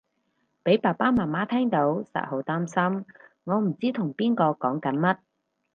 俾爸爸媽媽聽到實好擔心我唔知同邊個講緊乜